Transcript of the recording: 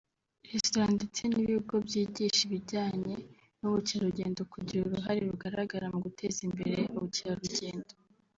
Restaurant ndetse n’ibigo byigisha ibijyanye n’ubukerarugendo kugira uruhare rugaragara mu guteza imbere ubukerarugendo